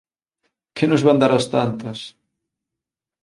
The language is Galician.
Que nos van dar as tantas!